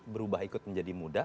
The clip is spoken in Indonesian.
berubah ikut menjadi muda